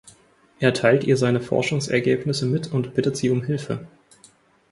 Er teilt ihr seine Forschungsergebnisse mit und bittet sie um Hilfe.